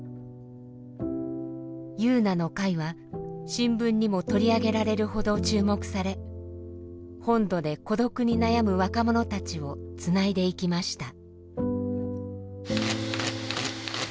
ゆうなの会は新聞にも取り上げられるほど注目され本土で孤独に悩む若者たちをつないでいきました。